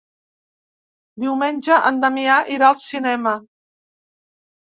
Diumenge en Damià irà al cinema.